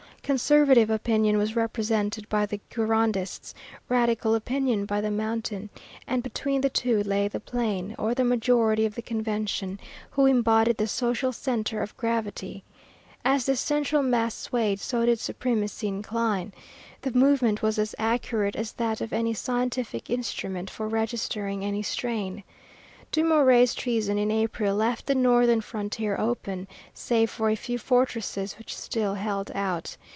Conservative opinion was represented by the Girondists, radical opinion by the Mountain, and between the two lay the Plain, or the majority of the Convention, who embodied the social centre of gravity. As this central mass swayed, so did supremacy incline. The movement was as accurate as that of any scientific instrument for registering any strain. Dumouriez's treason in April left the northern frontier open, save for a few fortresses which still held out.